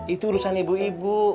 itu urusan ibu ibu